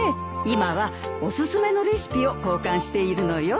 今はおすすめのレシピを交換しているのよ。